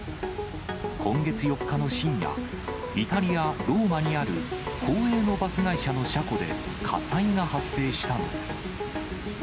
今月４日の深夜、イタリア・ローマにある公営のバス会社の車庫で火災が発生したのです。